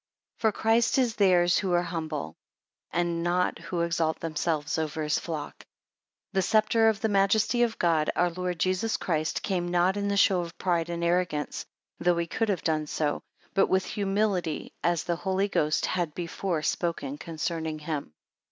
FOR Christ is theirs who are humble, and not who exalt themselves over his flock. The sceptre of the majesty of God, our Lord Jesus Christ, came not in the show of pride and arrogance, though he could have done so; but with humility as the Holy Ghost had before spoken concerning him.